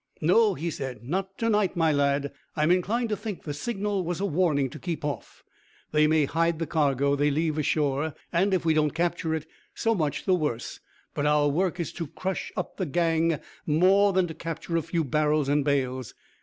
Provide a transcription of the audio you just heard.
"No," he said; "not to night, my lad. I'm inclined to think the signal was a warning to keep off. They may hide the cargo they leave ashore, and if we don't capture it, so much the worse, but our work is to crush up the gang more than to capture a few barrels and bales.